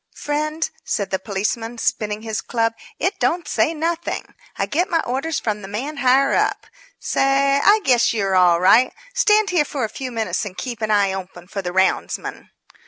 "Friend," said the policeman, spinning his club, "it don't say nothing. I get my orders from the man higher up. Say, I guess you're all right. Stand here for a few minutes and keep an eye open for the roundsman."